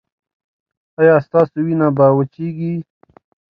ایا ستاسو وینه به وچیږي؟